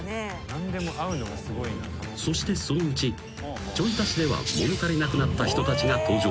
［そしてそのうちちょい足しでは物足りなくなった人たちが登場］